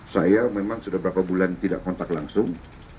saya memang sudah berapa bulan tidak kontak langsung